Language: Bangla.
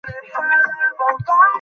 ঘর বন্ধ, সবাই চলে গেছে।